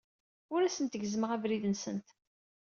Ur asent-gezzmeɣ abrid-nsent.